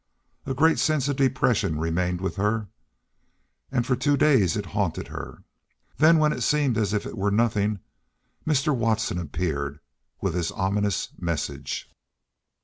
A great sense of depression remained with her, and for two days it haunted her. Then, when it seemed as if it were nothing, Mr. Watson appeared with his ominous message.